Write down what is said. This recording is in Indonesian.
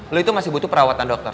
lo itu masih butuh perawatan dokter